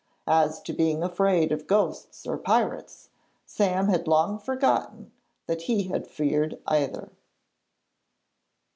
As to being afraid of ghosts or pirates, Sam had long forgotten that he had feared either.